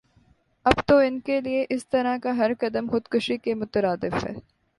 اب تو انکےلئے اسطرح کا ہر قدم خودکشی کے مترادف ہے